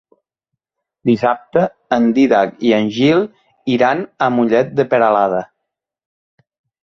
Dissabte en Dídac i en Gil iran a Mollet de Peralada.